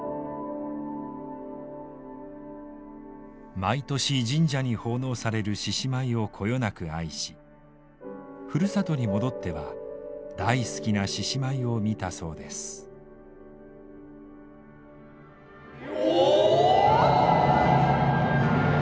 毎年神社に奉納される獅子舞をこよなく愛しふるさとに戻っては大好きな獅子舞を見たそうです。よ！